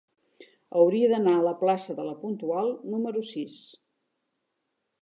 Hauria d'anar a la plaça de La Puntual número sis.